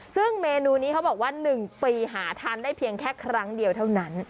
ซึ่งเมนูนี้เขาบอกว่า๑ปีหาทานได้เพียงแค่ครั้งเดียวเท่านั้น